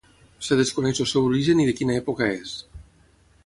Es desconeix el seu origen i de quina època és.